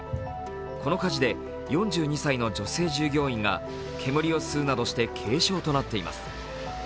この火事で４２歳の女性従業員が煙を吸うなどして軽傷となっています。